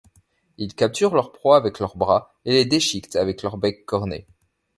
Ils capturent leurs proies avec leurs bras, et les déchiquettent avec leur bec corné.